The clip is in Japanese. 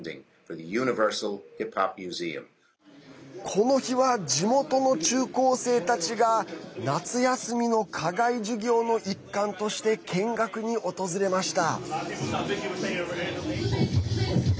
この日は、地元の中高生たちが夏休みの課外授業の一環として見学に訪れました。